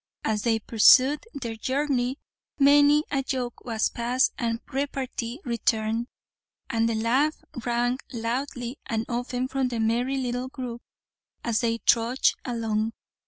As they pursued their journey many a joke was passed and repartee returned, and the laugh rang loudly and often from the merry little group as they trudged along.